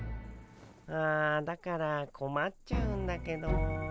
あだからこまっちゃうんだけど。